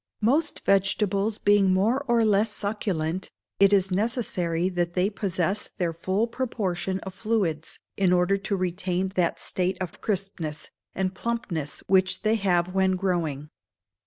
Most vegetables being more or less succulent, it is necessary that they possess their full proportion of fluids in order to retain that state of crispness and plumpness which they have when growing.